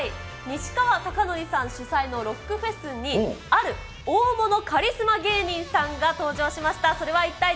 西川貴教さん主催のロックフェスに、ある大物カリスマ芸人さんが登場しました。